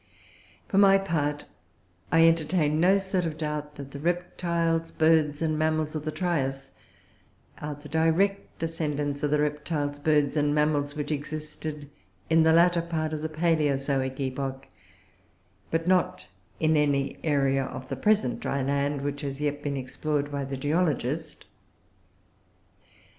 For my part, I entertain no sort of doubt that the Reptiles, Birds, and Mammals of the Trias are the direct descendants of Reptiles, Birds, and Mammals which existed in the latter part of the Palaeozoic epoch, but not in any area of the present dry land which has yet been explored by the geologist.